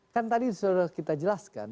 kan tadi sudah kita jelaskan